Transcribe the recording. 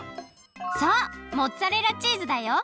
そうモッツァレラチーズだよ！